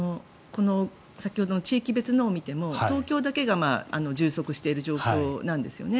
先ほどの地域別のを見ても東京だけが充足している状況なんですよね。